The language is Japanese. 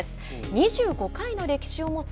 ２５回の歴史を持つ